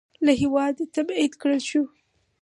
له هېواده تبعید کړل شو.